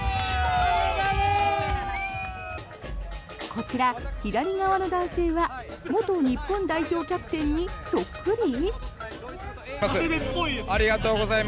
こちら、左側の男性は元日本代表キャプテンにそっくり？